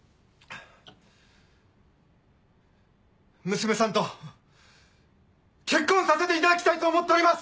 娘さんと結婚させていただきたいと思っております！